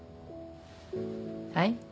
はい？